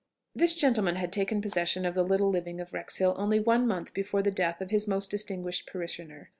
This gentleman had taken possession of the little living of Wrexhill only one month before the death of his most distinguished parishioner.